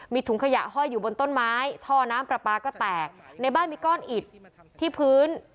มีถุงขยะห้อยอยู่บนต้นไม้ท่อน้ำปลาปลาก็แตกในบ้านมีก้อนอิดที่พื้น